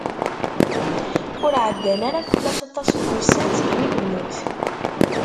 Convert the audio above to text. Ur ɛeddan ara fell-as aṭas n wussan seg mi yemmut.